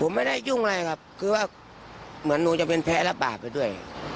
ผมไม่ได้ยุ่งอะไรครับคือว่าเหมือนหนูจะเป็นแพ้รับบาปไปด้วย